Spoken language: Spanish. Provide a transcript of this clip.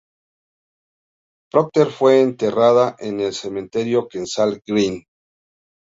Procter fue enterrada en el Cementerio Kensal Green.